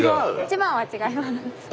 一番は違います。